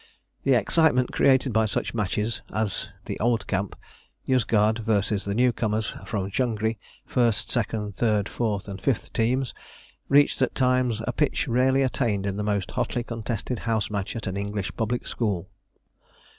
The excitement created by such matches as the old camp, Yozgad, versus the newcomers from Changri, 1st, 2nd, 3rd, 4th, and 5th teams, reached at times a pitch rarely attained in the most hotly contested house match at an English public school.